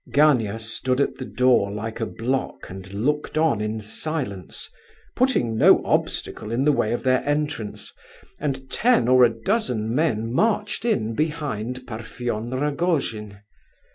Gania stood at the door like a block and looked on in silence, putting no obstacle in the way of their entrance, and ten or a dozen men marched in behind Parfen Rogojin.